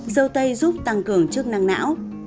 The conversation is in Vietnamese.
dâu tây giúp tăng cường chức năng não